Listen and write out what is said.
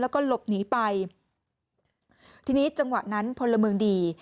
แล้วก็หลบหนีไปทีนี้จังหวะนั้นพลเมืองดี